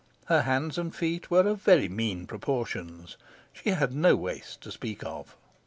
Her hands and feet were of very mean proportions. She had no waist to speak of.